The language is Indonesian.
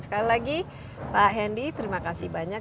sekali lagi pak hendy terima kasih banyak